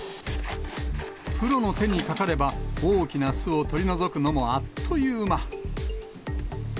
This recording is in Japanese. プロの手にかかれば、大きな巣を取り除くのもあっという間。